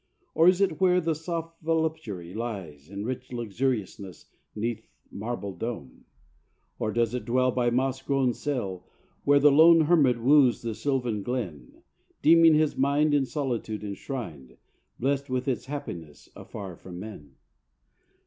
Or is it where The soft voluptuary lies In rich luxuriousness 'neath marble dome? Or does it dwell by moss grown cell Where the lone hermit woos the sylvan glen, Deeming his mind, in solitude enshrined, Blest with its happiness afar from men?